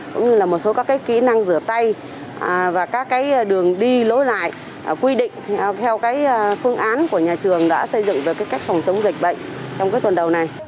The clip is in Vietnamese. cũng như là một số các kỹ năng rửa tay và các đường đi lối lại quy định theo phương án của nhà trường đã xây dựng về cách phòng chống dịch bệnh trong tuần đầu này